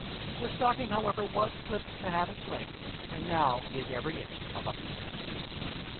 The stocking, however, was clipped to half its length, and now he is every inch a buccaneer.